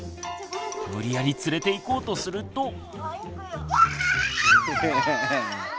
無理やり連れていこうとすると。